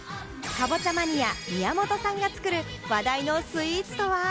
カボチャマニア・宮本さんが作る話題のスイーツとは？